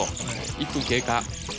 １分経過。